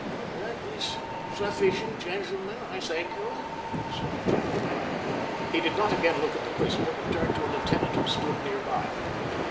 "That is sufficient, gentlemen, I thank you," said the general. He did not again look at the prisoner, but turned to a lieutenant who stood near by.